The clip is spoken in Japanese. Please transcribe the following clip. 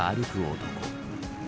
男